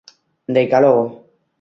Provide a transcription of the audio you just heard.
Deica logo.